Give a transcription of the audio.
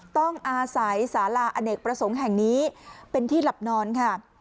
ต้องอาศัยสาราอเนกประสงค์แห่งนี้เป็นที่หลับนอนค่ะ